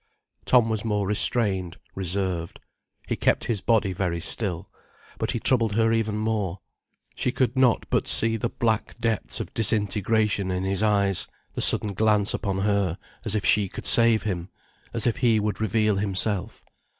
Tom was more restrained, reserved. He kept his body very still. But he troubled her even more. She could not but see the black depths of disintegration in his eyes, the sudden glance upon her, as if she could save him, as if he would reveal himself.